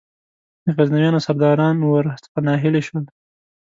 د غزنویانو سرداران ور څخه ناهیلي شول.